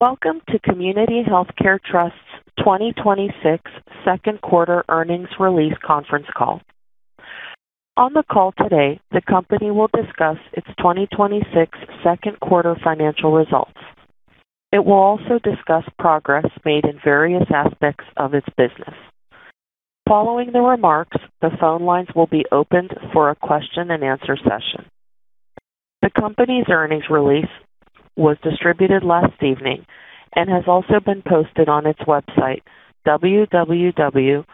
Welcome to Community Healthcare Trust's 2026 second quarter earnings release conference call. On the call today, the company will discuss its 2026 second quarter financial results. It will also discuss progress made in various aspects of its business. Following the remarks, the phone lines will be opened for a question and answer session. The company's earnings release was distributed last evening and has also been posted on its website, www.chct.reit.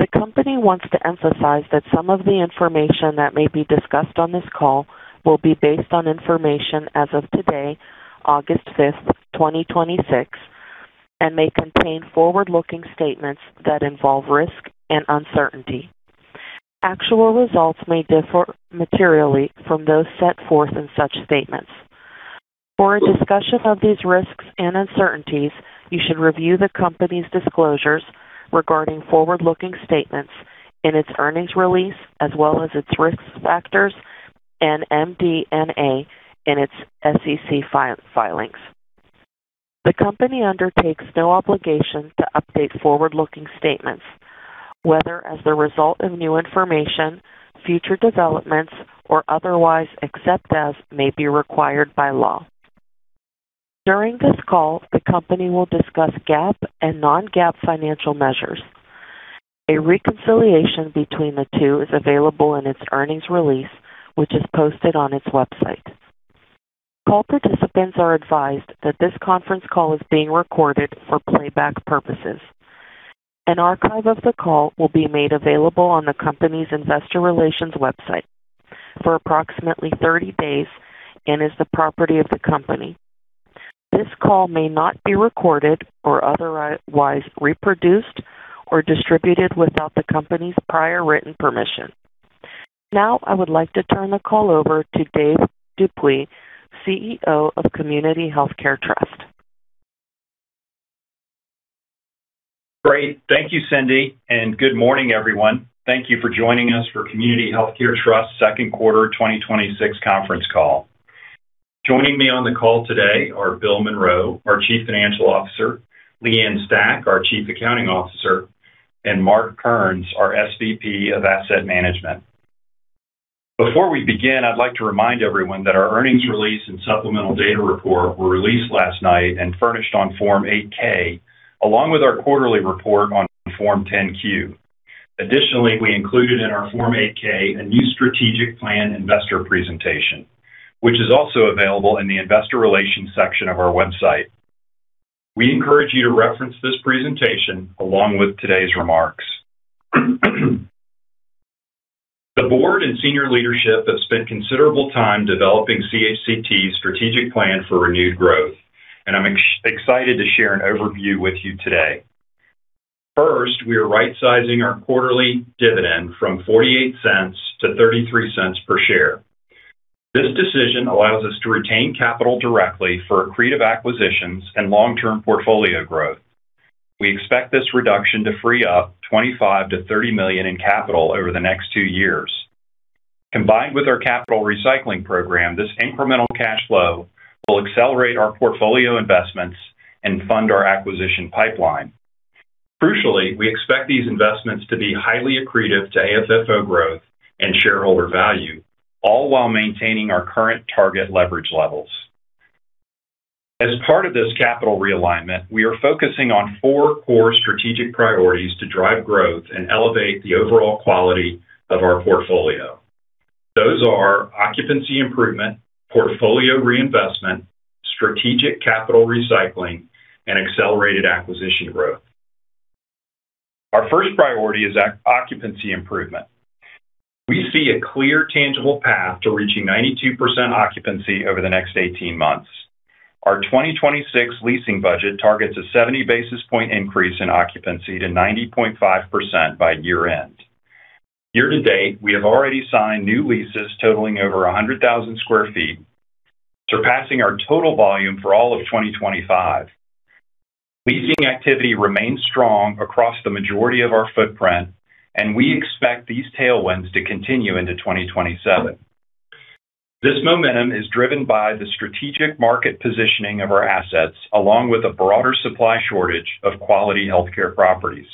The company wants to emphasize that some of the information that may be discussed on this call will be based on information as of today, August 5th, 2026, and may contain forward-looking statements that involve risk and uncertainty. Actual results may differ materially from those set forth in such statements. For a discussion of these risks and uncertainties, you should review the company's disclosures regarding forward-looking statements in its earnings release, as well as its risk factors and MD&A in its SEC filings. The company undertakes no obligation to update forward-looking statements, whether as the result of new information, future developments, or otherwise, except as may be required by law. During this call, the company will discuss GAAP and non-GAAP financial measures. A reconciliation between the two is available in its earnings release, which is posted on its website. Call participants are advised that this conference call is being recorded for playback purposes. An archive of the call will be made available on the company's investor relations website for approximately 30 days and is the property of the company. This call may not be recorded or otherwise reproduced or distributed without the company's prior written permission. Now, I would like to turn the call over Dave Dupuy, ceo of Community Healthcare Trust. Great. Thank you, Cindy, and good morning, everyone. Thank you for joining us for Community Healthcare Trust's second quarter 2026 conference call. Joining me on the call today are Bill Monroe, our Chief Financial Officer, Leanne Stack, our Chief Accounting Officer, and Mark Kearns, our SVP of asset management. Before we begin, I'd like to remind everyone that our earnings release and supplemental data report were released last night and furnished on Form 8-K, along with our quarterly report on Form 10-Q. Additionally, we included in our Form 8-K a new strategic plan investor presentation, which is also available in the investor relations section of our website. We encourage you to reference this presentation along with today's remarks. The board and senior leadership have spent considerable time developing CHCT's strategic plan for renewed growth, and I'm excited to share an overview with you today. We are rightsizing our quarterly dividend from $0.48 to $0.33 per share. This decision allows us to retain capital directly for accretive acquisitions and long-term portfolio growth. We expect this reduction to free up $25 million-$30 million in capital over the next two years. Combined with our capital recycling program, this incremental cash flow will accelerate our portfolio investments and fund our acquisition pipeline. We expect these investments to be highly accretive to AFFO growth and shareholder value, all while maintaining our current target leverage levels. As part of this capital realignment, we are focusing on four core strategic priorities to drive growth and elevate the overall quality of our portfolio. Those are occupancy improvement, portfolio reinvestment, strategic capital recycling, and accelerated acquisition growth. Our first priority is occupancy improvement. We see a clear, tangible path to reaching 92% occupancy over the next 18 months. Our 2026 leasing budget targets a 70 basis point increase in occupancy to 90.5% by year-end. Year-to-date, we have already signed new leases totaling over 100,000 sq ft, surpassing our total volume for all of 2025. Leasing activity remains strong across the majority of our footprint. We expect these tailwinds to continue into 2027. This momentum is driven by the strategic market positioning of our assets, along with a broader supply shortage of quality healthcare properties.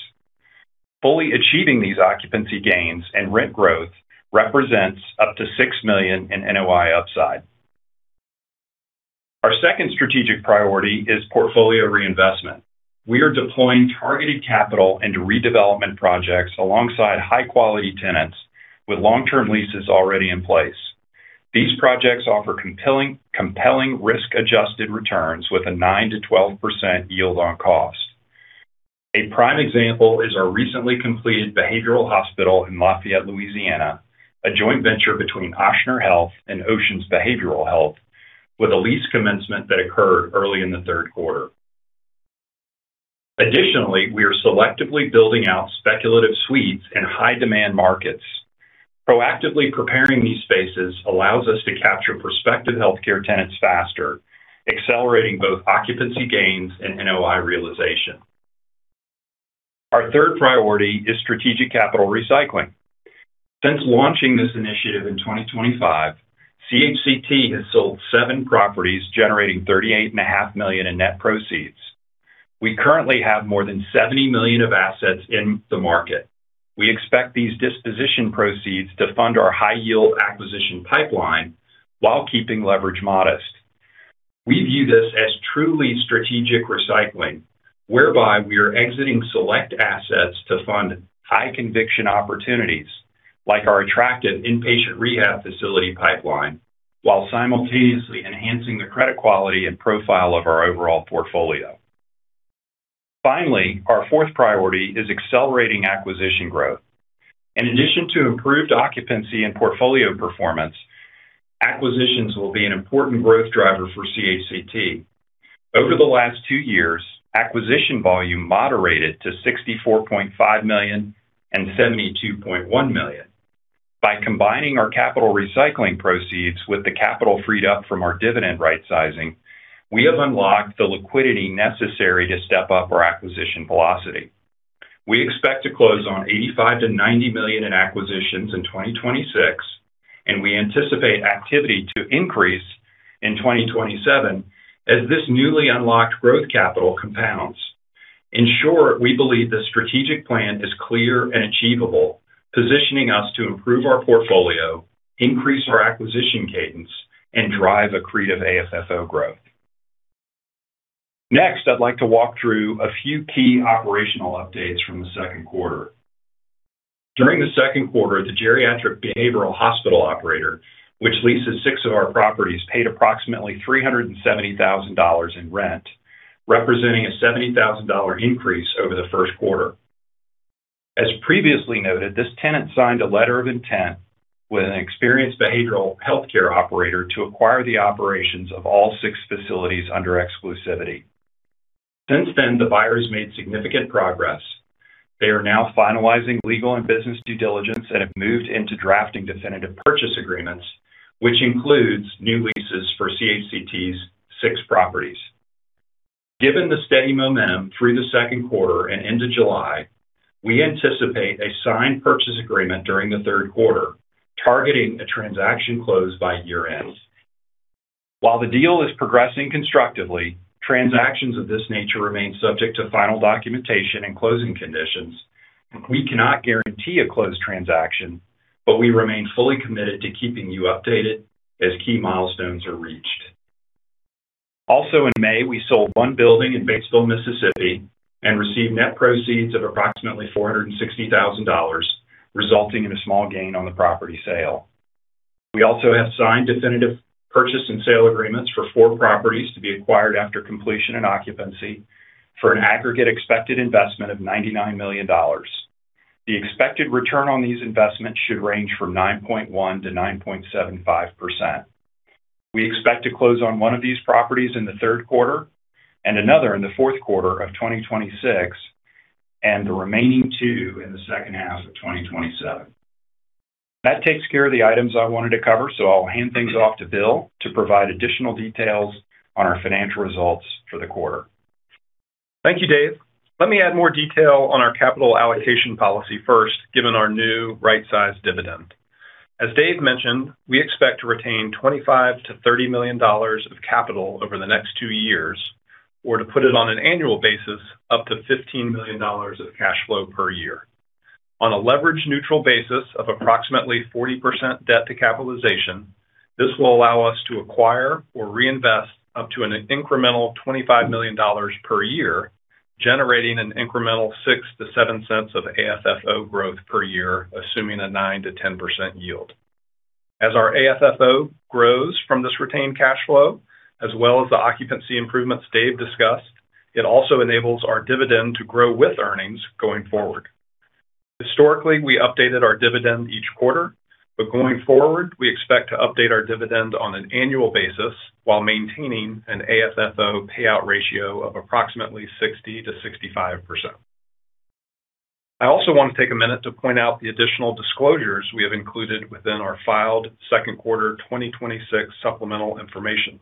Fully achieving these occupancy gains and rent growth represents up to $6 million in NOI upside. Our second strategic priority is portfolio reinvestment. We are deploying targeted capital into redevelopment projects alongside high-quality tenants with long-term leases already in place. These projects offer compelling risk-adjusted returns with a 9%-12% yield on cost. A prime example is our recently completed behavioral hospital in Lafayette, Louisiana, a joint venture between Ochsner Health and Oceans Behavioral Health, with a lease commencement that occurred early in the third quarter. We are selectively building out speculative suites in high-demand markets. Proactively preparing these spaces allows us to capture prospective healthcare tenants faster, accelerating both occupancy gains and NOI realization. Our third priority is strategic capital recycling. Since launching this initiative in 2025, CHCT has sold seven properties, generating $38.5 million in net proceeds. We currently have more than $70 million of assets in the market. We expect these disposition proceeds to fund our high yield acquisition pipeline, while keeping leverage modest. We view this as truly strategic recycling, whereby we are exiting select assets to fund high conviction opportunities, like our attractive inpatient rehab facility pipeline, while simultaneously enhancing the credit quality and profile of our overall portfolio. Our fourth priority is accelerating acquisition growth. In addition to improved occupancy and portfolio performance, acquisitions will be an important growth driver for CHCT. Over the last two years, acquisition volume moderated to $64.5 million and $72.1 million. By combining our capital recycling proceeds with the capital freed up from our dividend rightsizing, we have unlocked the liquidity necessary to step up our acquisition velocity. We expect to close on $85 million-$90 million in acquisitions in 2026. We anticipate activity to increase in 2027 as this newly unlocked growth capital compounds. In short, we believe the strategic plan is clear and achievable, positioning us to improve our portfolio, increase our acquisition cadence, and drive accretive AFFO growth. Next, I'd like to walk through a few key operational updates from the second quarter. During the second quarter, the geriatric behavioral hospital operator, which leases six of our properties, paid approximately $370,000 in rent, representing a $70,000 increase over the first quarter. As previously noted, this tenant signed a letter of intent with an experienced behavioral healthcare operator to acquire the operations of all six facilities under exclusivity. Since then, the buyer has made significant progress. They are now finalizing legal and business due diligence and have moved into drafting definitive purchase agreements, which includes new leases for CHCT's six properties. Given the steady momentum through the second quarter and into July, we anticipate a signed purchase agreement during the third quarter, targeting a transaction close by year end. While the deal is progressing constructively, transactions of this nature remain subject to final documentation and closing conditions. We cannot guarantee a closed transaction, but we remain fully committed to keeping you updated as key milestones are reached. Also in May, we sold one building in Batesville, Mississippi, and received net proceeds of approximately $460,000, resulting in a small gain on the property sale. We also have signed definitive purchase and sale agreements for four properties to be acquired after completion and occupancy for an aggregate expected investment of $99 million. The expected return on these investments should range from 9.1%-9.75%. We expect to close on one of these properties in the third quarter, and another in the fourth quarter of 2026, and the remaining two in the second half of 2027. That takes care of the items I wanted to cover, so I'll hand things off to Bill to provide additional details on our financial results for the quarter. Thank you, Dave. Let me add more detail on our capital allocation policy first, given our new rightsized dividend. As Dave mentioned, we expect to retain $25 million-$30 million of capital over the next two years, or to put it on an annual basis, up to $15 million of cash flow per year. On a leverage neutral basis of approximately 40% debt to capitalization, this will allow us to acquire or reinvest up to an incremental $25 million per year, generating an incremental $0.06-$0.07 of AFFO growth per year, assuming a 9%-10% yield. As our AFFO grows from this retained cash flow, as well as the occupancy improvements Dave discussed, it also enables our dividend to grow with earnings going forward. Historically, we updated our dividend each quarter. Going forward, we expect to update our dividend on an annual basis while maintaining an AFFO payout ratio of approximately 60%-65%. I also want to take a minute to point out the additional disclosures we have included within our filed second quarter 2026 supplemental information.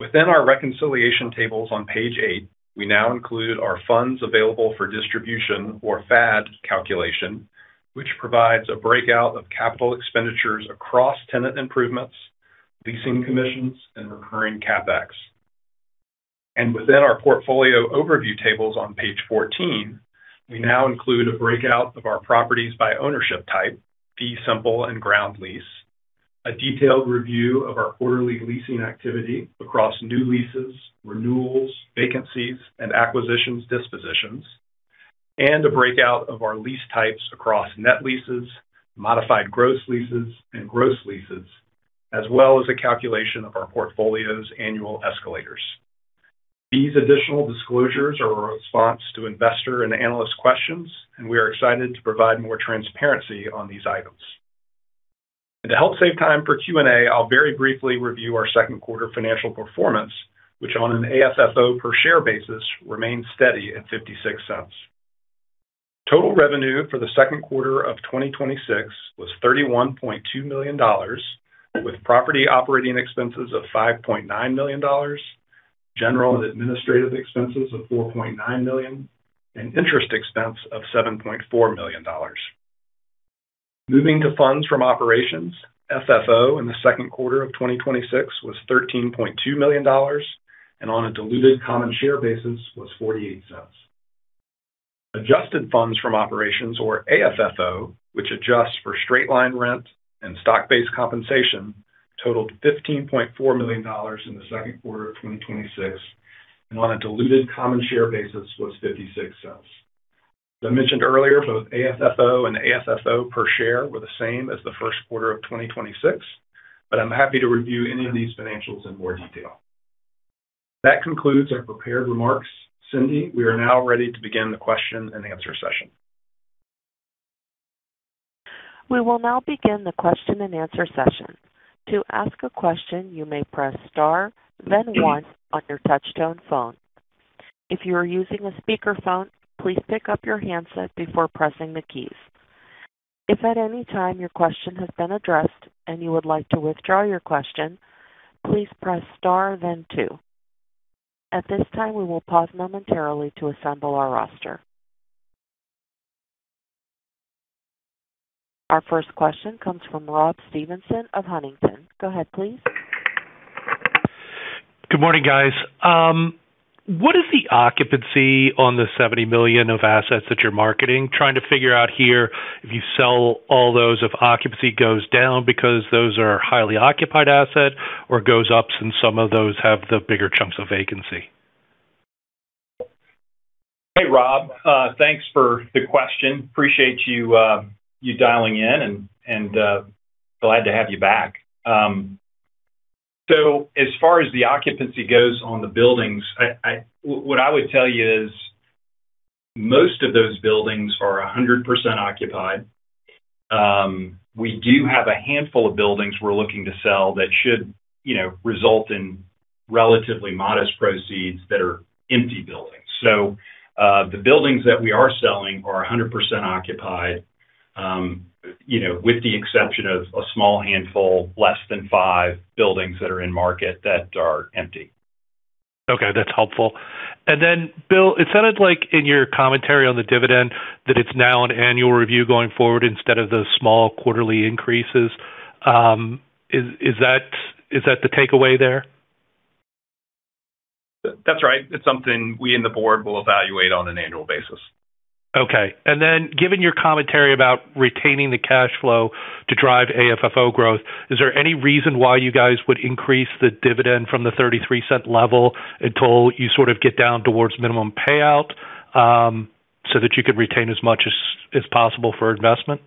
Within our reconciliation tables on page eight, we now include our funds available for distribution, or FAD calculation, which provides a breakout of capital expenditures across tenant improvements, leasing commissions, and recurring CapEx. Within our portfolio overview tables on page 14, we now include a breakout of our properties by ownership type, fee simple and ground lease; a detailed review of our quarterly leasing activity across new leases, renewals, vacancies, and acquisitions/dispositions; a breakout of our lease types across net leases, modified gross leases, and gross leases, as well as a calculation of our portfolio's annual escalators. These additional disclosures are a response to investor and analyst questions. We are excited to provide more transparency on these items. To help save time for Q&A, I'll very briefly review our second quarter financial performance, which on an AFFO per share basis remains steady at $0.56. Total revenue for the second quarter of 2026 was $31.2 million, with property operating expenses of $5.9 million, general and administrative expenses of $4.9 million, and interest expense of $7.4 million. Moving to funds from operations, FFO in the second quarter of 2026 was $13.2 million, and on a diluted common share basis was $0.48. Adjusted funds from operations or AFFO, which adjusts for straight line rent and stock-based compensation, totaled $15.4 million in the second quarter of 2026, and on a diluted common share basis was $0.56. As I mentioned earlier, both AFFO and AFFO per share were the same as the first quarter of 2026. I'm happy to review any of these financials in more detail. That concludes our prepared remarks. Cindy, we are now ready to begin the question and answer session. We will now begin the question and answer session. To ask a question, you may press star, then one on your touchtone phone. If you are using a speakerphone, please pick up your handset before pressing the keys. If at any time your question has been addressed and you would like to withdraw your question, please press star then two. At this time, we will pause momentarily to assemble our roster. Our first question comes from Rob Stevenson of Huntington. Go ahead, please. Good morning, guys. What is the occupancy on the $70 million of assets that you're marketing? Trying to figure out here, if you sell all those, if occupancy goes down because those are highly occupied asset, or goes up since some of those have the bigger chunks of vacancy. Hey, Rob. Thanks for the question. Appreciate you dialing in and glad to have you back. As far as the occupancy goes on the buildings, what I would tell you is most of those buildings are 100% occupied. We do have a handful of buildings we're looking to sell that should result in relatively modest proceeds that are empty buildings. The buildings that we are selling are 100% occupied, with the exception of a small handful, less than five buildings that are in market that are empty. Okay, that's helpful. Bill, it sounded like in your commentary on the dividend that it's now an annual review going forward instead of the small quarterly increases. Is that the takeaway there? That's right. It's something we in the board will evaluate on an annual basis. Okay. Given your commentary about retaining the cash flow to drive AFFO growth, is there any reason why you guys would increase the dividend from the $0.33 level until you sort of get down towards minimum payout, so that you could retain as much as possible for investment?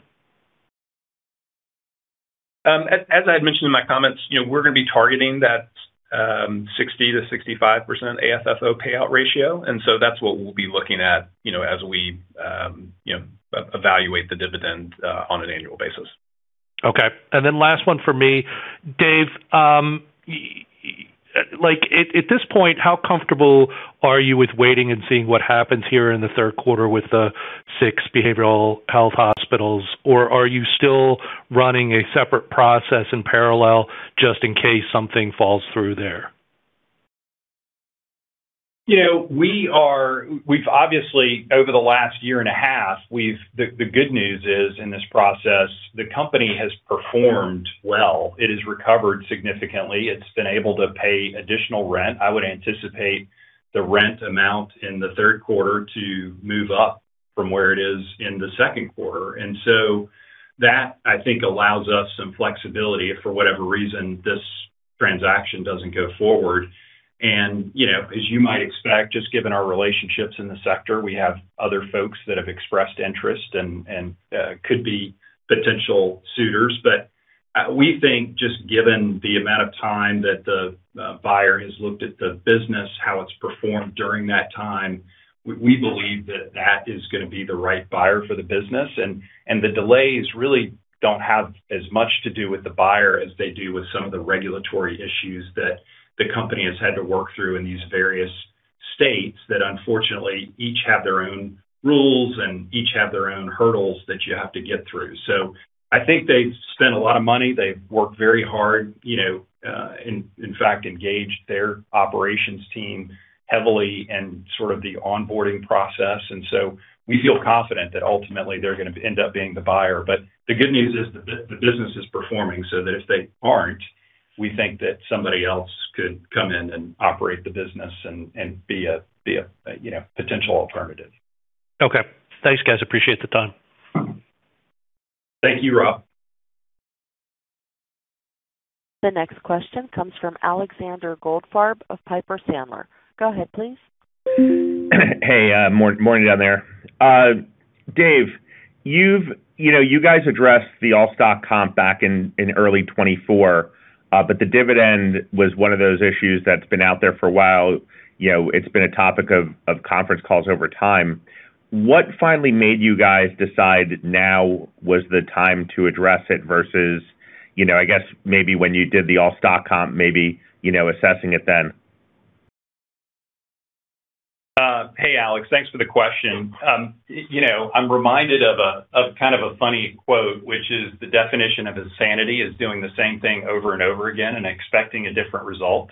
As I had mentioned in my comments, we're going to be targeting that 60%-65% AFFO payout ratio, so that's what we'll be looking at as we evaluate the dividend on an annual basis. Okay. Last one for me. Dave, at this point, how comfortable are you with waiting and seeing what happens here in the third quarter with the six behavioral health hospitals? Or are you still running a separate process in parallel just in case something falls through there? We've obviously, over the last year and a half, the good news is in this process, the company has performed well. It has recovered significantly. It's been able to pay additional rent. I would anticipate the rent amount in the third quarter to move up from where it is in the second quarter. So that, I think, allows us some flexibility if for whatever reason this transaction doesn't go forward. As you might expect, just given our relationships in the sector, we have other folks that have expressed interest and could be potential suitors. We think just given the amount of time that the buyer has looked at the business, how it's performed during that time, we believe that that is going to be the right buyer for the business. The delays really don't have as much to do with the buyer as they do with some of the regulatory issues that the company has had to work through in these various states that unfortunately, each have their own rules and each have their own hurdles that you have to get through. I think they've spent a lot of money. They've worked very hard. In fact, engaged their operations team heavily in sort of the onboarding process. We feel confident that ultimately they're going to end up being the buyer. The good news is the business is performing so that if they aren't, we think that somebody else could come in and operate the business and be a potential alternative. Okay. Thanks, guys, appreciate the time. Thank you, Rob. The next question comes from Alexander Goldfarb of Piper Sandler. Go ahead, please. Hey. Morning down there. Dave, you guys addressed the all-stock comp back in early 2024, the dividend was one of those issues that's been out there for a while. It's been a topic of conference calls over time. What finally made you guys decide now was the time to address it versus, I guess maybe when you did the all-stock comp, maybe assessing it then? Hey Alex, thanks for the question. I'm reminded of a kind of a funny quote, which is the definition of insanity is doing the same thing over and over again and expecting a different result.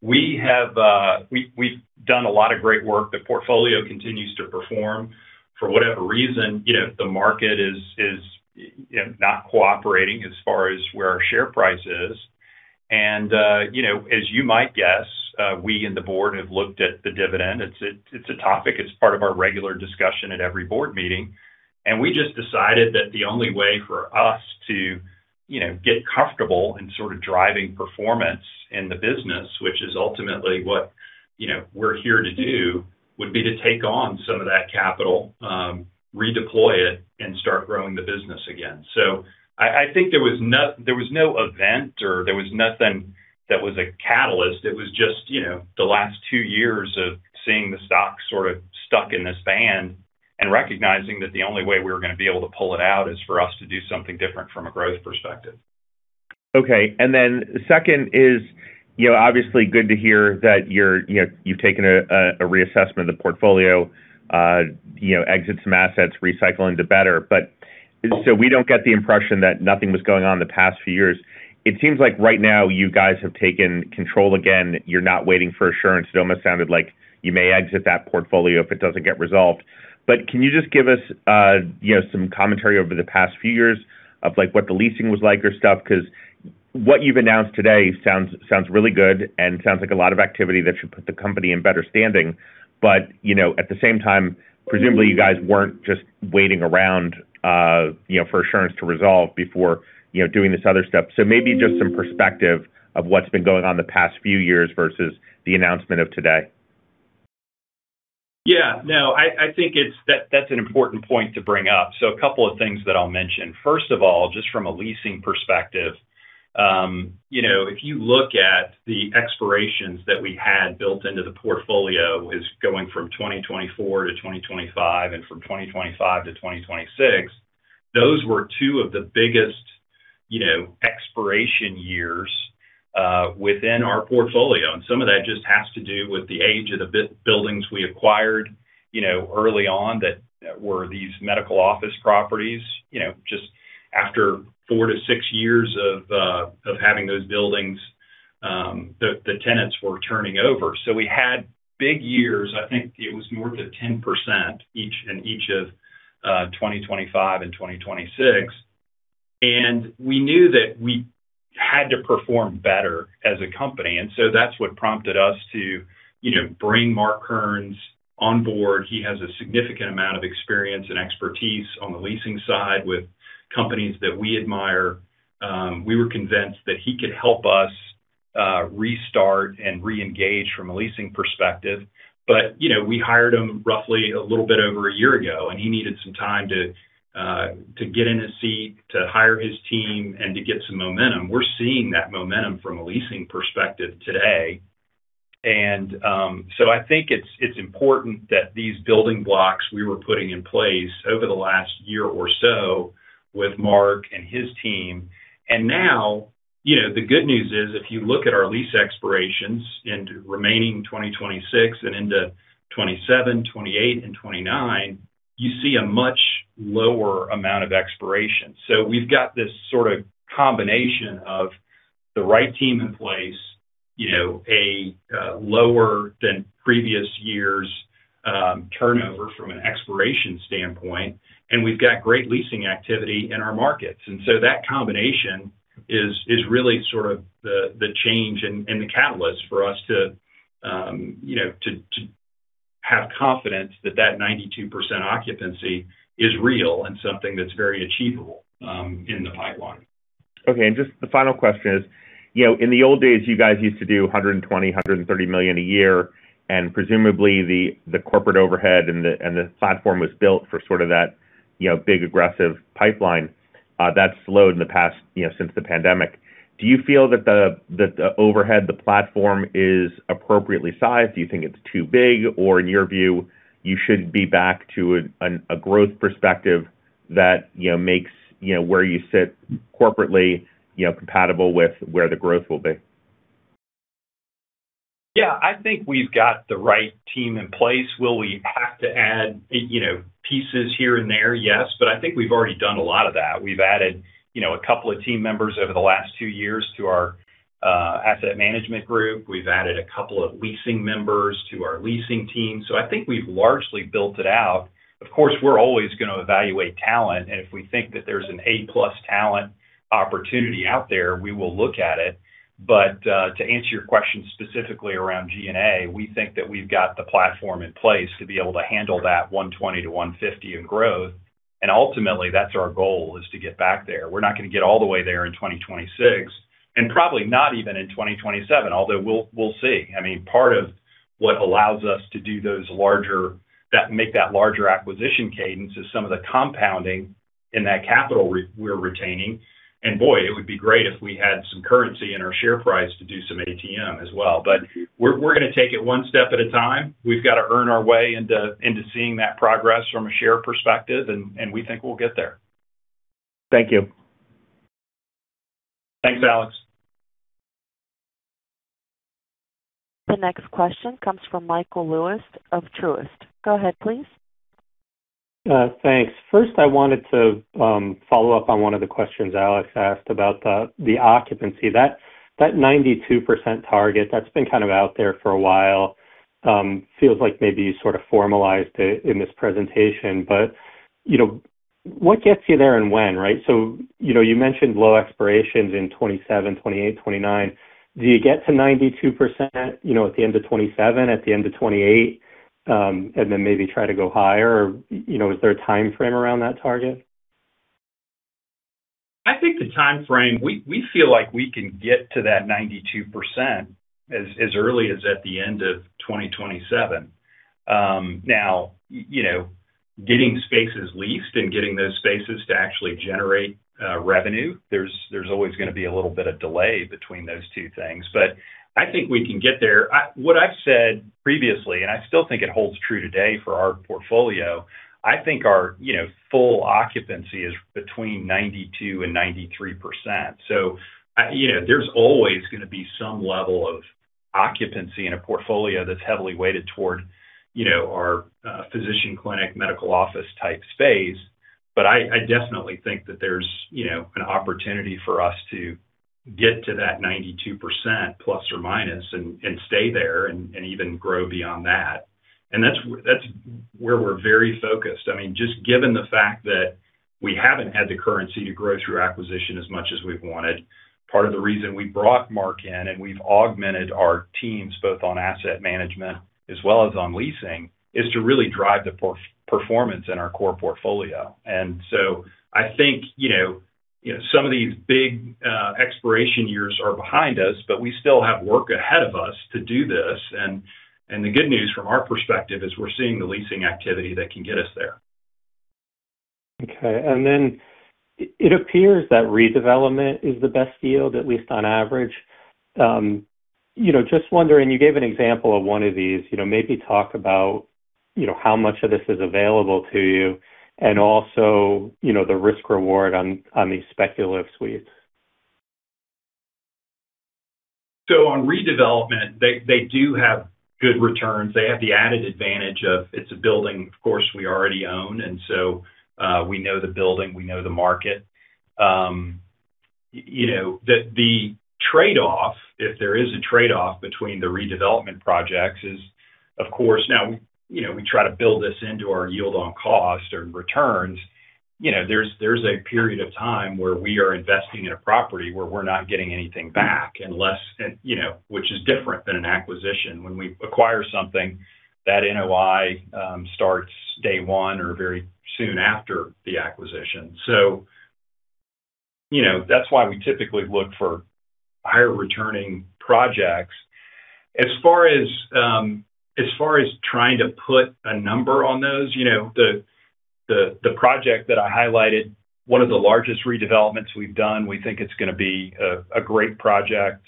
We've done a lot of great work. The portfolio continues to perform. For whatever reason, the market is not cooperating as far as where our share price is. As you might guess, we and the board have looked at the dividend. It's a topic, it's part of our regular discussion at every board meeting, and we just decided that the only way for us to get comfortable in sort of driving performance in the business, which is ultimately what we're here to do, would be to take on some of that capital, redeploy it, and start growing the business again. I think there was no event or there was nothing that was a catalyst. It was just the last two years of seeing the stock sort of stuck in this band and recognizing that the only way we were going to be able to pull it out is for us to do something different from a growth perspective. Okay. Second is, obviously good to hear that you've taken a reassessment of the portfolio, exit some assets, recycle into better. We don't get the impression that nothing was going on the past few years. It seems like right now you guys have taken control again, you're not waiting for Assurance. It almost sounded like you may exit that portfolio if it doesn't get resolved. Can you just give us some commentary over the past few years of what the leasing was like or stuff? Because what you've announced today sounds really good and sounds like a lot of activity that should put the company in better standing. At the same time, presumably you guys weren't just waiting around for Assurance to resolve before doing this other stuff. maybe just some perspective of what's been going on the past few years versus the announcement of today. I think that's an important point to bring up. A couple of things that I'll mention. First of all, just from a leasing perspective, if you look at the expirations that we had built into the portfolio is going from 2024 to 2025 and from 2025 to 2026. Those were two of the biggest expiration years within our portfolio, and some of that just has to do with the age of the buildings we acquired early on that were these medical office properties. Just after four to six years of having those buildings, the tenants were turning over. We had big years, I think it was north of 10% in each of 2025 and 2026. We knew that we had to perform better as a company, that's what prompted us to bring Mark Kearns on board. He has a significant amount of experience and expertise on the leasing side with companies that we admire. We were convinced that he could help us restart and reengage from a leasing perspective. We hired him roughly a little bit over a year ago, and he needed some time to get in his seat, to hire his team, and to get some momentum. We're seeing that momentum from a leasing perspective today. I think it's important that these building blocks we were putting in place over the last year or so with Mark and his team. Now, the good news is, if you look at our lease expirations into remaining 2026 and into 2027, 2028, and 2029, you see a much lower amount of expiration. We've got this sort of combination of the right team in place, a lower than previous years turnover from an expiration standpoint, and we've got great leasing activity in our markets. That combination is really sort of the change and the catalyst for us to have confidence that 92% occupancy is real and something that's very achievable in the pipeline. Okay, just the final question is, in the old days, you guys used to do $120 million, $130 million a year, presumably the corporate overhead and the platform was built for sort of that big, aggressive pipeline. That's slowed since the pandemic. Do you feel that the overhead, the platform is appropriately sized? Do you think it's too big? In your view, you should be back to a growth perspective that makes where you sit corporately compatible with where the growth will be? I think we've got the right team in place. Will we have to add pieces here and there? Yes, I think we've already done a lot of that. We've added a couple of team members over the last two years to our asset management group. We've added a couple of leasing members to our leasing team. I think we've largely built it out. Of course, we're always going to evaluate talent, if we think that there's an A+ talent opportunity out there, we will look at it. To answer your question specifically around G&A, we think that we've got the platform in place to be able to handle that $120 million to $150 million in growth. Ultimately, that's our goal is to get back there. We're not going to get all the way there in 2026, probably not even in 2027, although we'll see. Part of what allows us to make that larger acquisition cadence is some of the compounding in that capital we're retaining. Boy, it would be great if we had some currency in our share price to do some ATM as well. We're going to take it one step at a time. We've got to earn our way into seeing that progress from a share perspective, we think we'll get there. Thank you. Thanks, Alex. The next question comes from Michael Lewis of Truist. Go ahead, please. Thanks. First, I wanted to follow up on one of the questions Alex asked about the occupancy. That 92% target that's been kind of out there for a while, feels like maybe you sort of formalized it in this presentation, what gets you there and when, right? You mentioned low expirations in 2027, 2028, 2029. Do you get to 92% at the end of 2027, at the end of 2028, and then maybe try to go higher, or is there a timeframe around that target? I think the timeframe, we feel like we can get to that 92% as early as at the end of 2027. Now, getting spaces leased and getting those spaces to actually generate revenue, there's always going to be a little bit of delay between those two things. I think we can get there. What I've said previously, and I still think it holds true today for our portfolio, I think our full occupancy is between 92% and 93%. There's always going to be some level of occupancy in a portfolio that's heavily weighted toward our physician clinic medical office type space. I definitely think that there's an opportunity for us to get to that 92% plus or minus and stay there and even grow beyond that. That's where we're very focused. Just given the fact that we haven't had the currency to grow through acquisition as much as we've wanted, part of the reason we brought Mark in and we've augmented our teams, both on asset management as well as on leasing, is to really drive the performance in our core portfolio. I think some of these big expiration years are behind us, but we still have work ahead of us to do this. The good news from our perspective is we're seeing the leasing activity that can get us there. Okay. It appears that redevelopment is the best deal, at least on average. Just wondering, you gave an example of one of these. Maybe talk about how much of this is available to you and also the risk-reward on these speculative suites. On redevelopment, they do have good returns. They have the added advantage of it's a building, of course, we already own, and so we know the building, we know the market. The trade-off, if there is a trade-off between the redevelopment projects is, of course, now we try to build this into our yield on cost and returns. There's a period of time where we are investing in a property where we're not getting anything back, which is different than an acquisition. When we acquire something, that NOI starts day one or very soon after the acquisition. That's why we typically look for higher returning projects. As far as trying to put a number on those, the project that I highlighted, one of the largest redevelopments we've done, we think it's going to be a great project.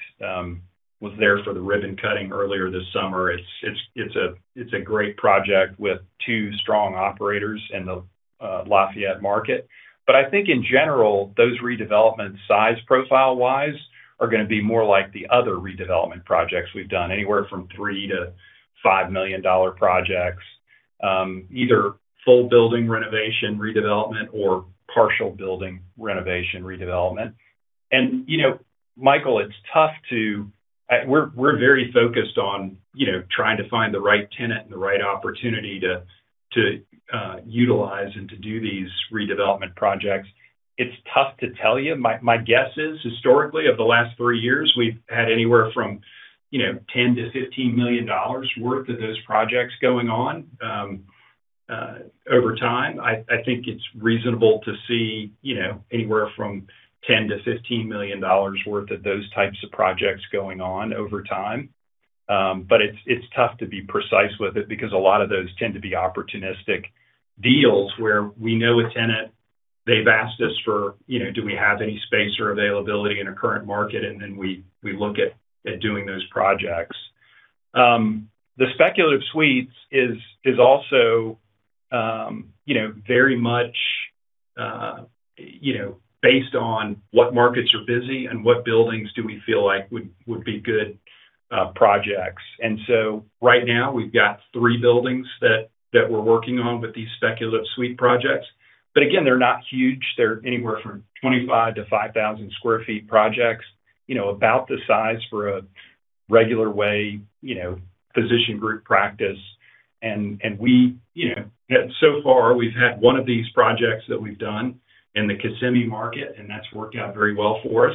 Was there for the ribbon cutting earlier this summer. It's a great project with two strong operators in the Lafayette market. I think in general, those redevelopment size, profile-wise, are going to be more like the other redevelopment projects we've done, anywhere from $3 million-$5 million projects, either full building renovation redevelopment or partial building renovation redevelopment. Michael, we're very focused on trying to find the right tenant and the right opportunity to utilize and to do these redevelopment projects. It's tough to tell you. My guess is historically, over the last three years, we've had anywhere from $10 million-$15 million worth of those projects going on. Over time, I think it's reasonable to see anywhere from $10 million-$15 million worth of those types of projects going on over time. It's tough to be precise with it because a lot of those tend to be opportunistic deals where we know a tenant, they've asked us, do we have any space or availability in a current market? We look at doing those projects. The speculative suites is also very much based on what markets are busy and what buildings do we feel like would be good projects. Right now we've got three buildings that we're working on with these speculative suite projects. Again, they're not huge. They're anywhere from 25 sq ft-5,000 sq ft projects, about the size for a regular way physician group practice. So far, we've had one of these projects that we've done in the Kissimmee market, and that's worked out very well for us.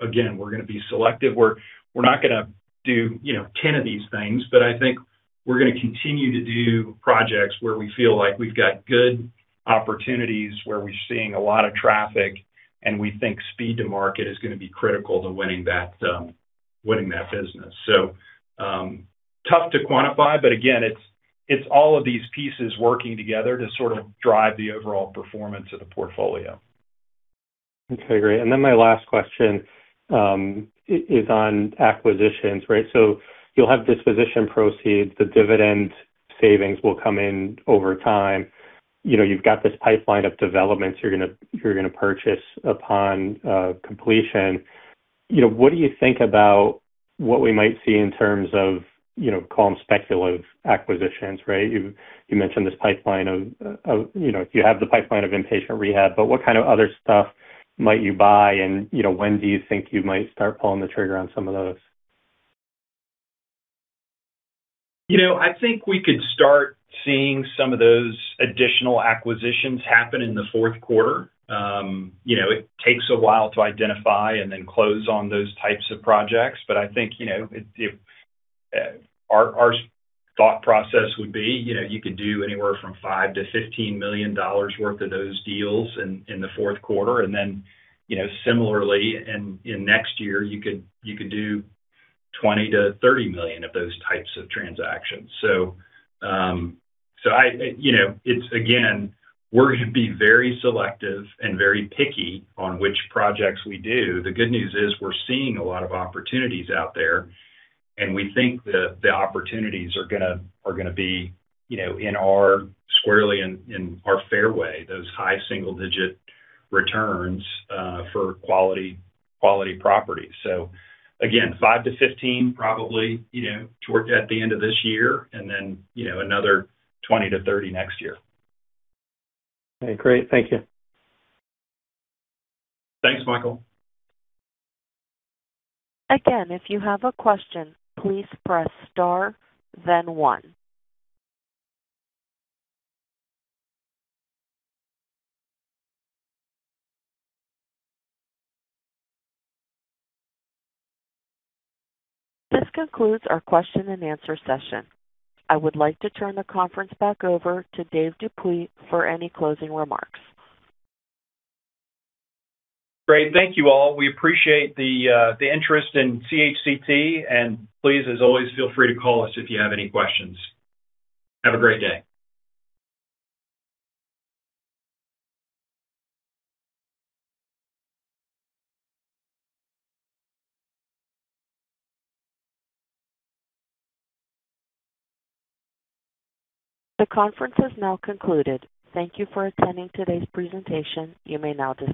Again, we're going to be selective. We're not going to do 10 of these things, I think we're going to continue to do projects where we feel like we've got good opportunities, where we're seeing a lot of traffic, and we think speed to market is going to be critical to winning that business. Tough to quantify, again, it's all of these pieces working together to sort of drive the overall performance of the portfolio. Okay, great. My last question is on acquisitions, right? You'll have disposition proceeds, the dividend savings will come in over time. You've got this pipeline of developments you're going to purchase upon completion. What do you think about what we might see in terms of, call them speculative acquisitions, right? You mentioned this pipeline of, you have the pipeline of inpatient rehab, what kind of other stuff might you buy and when do you think you might start pulling the trigger on some of those? I think we could start seeing some of those additional acquisitions happen in the fourth quarter. It takes a while to identify and close on those types of projects. I think, our thought process would be, you could do anywhere from $5 million-$15 million worth of those deals in the fourth quarter. Similarly, in next year, you could do $20 million-$30 million of those types of transactions. Again, we're going to be very selective and very picky on which projects we do. The good news is we're seeing a lot of opportunities out there, and we think the opportunities are going to be squarely in our fairway, those high single-digit returns for quality properties. Again, $5 million-$15 million probably towards at the end of this year and then, another $20 million-$30 million next year. Okay, great. Thank you. Thanks, Michael. Again, if you have a question, please press star then one. This concludes our question and answer session. I would like to turn the conference back over Dave Dupuy for any closing remarks. Great. Thank you all. We appreciate the interest in CHCT, please, as always, feel free to call us if you have any questions. Have a great day. The conference has now concluded. Thank you for attending today's presentation. You may now disconnect.